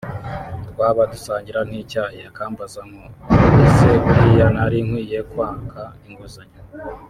twaba dusangira nk’icyayi akambaza nko ‘ese buriya nari nkwiye kwaka inguzanyo